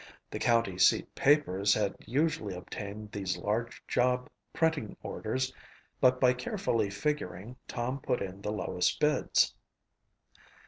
The county seat papers had usually obtained these large job printing orders but by carefully figuring, Tom put in the lowest bids.